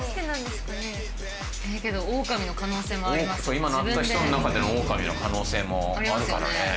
今鳴った人の中でのオオカミの可能性もあるからね。